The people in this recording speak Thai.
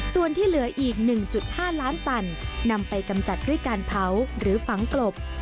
ส่วนที่เหลืออีก๑๕ล้านตันนำไปกำจัดด้วยการเผาหรือฝังกลบ